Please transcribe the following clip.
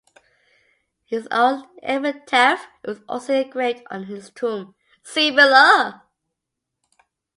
His own epitaph was also engraved on his tomb (see below).